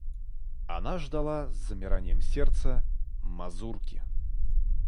Она ждала с замиранием сердца мазурки.